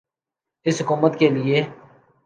اس حکومت کیلئے۔